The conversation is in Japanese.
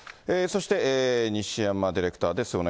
そして、西山ディレクターです。